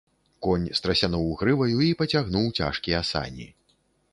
Конь страсянуў грываю і пацягнуў цяжкія сані.